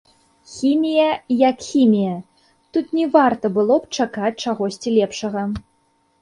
Хімія як хімія, тут не варта было б чакаць чагосьці лепшага.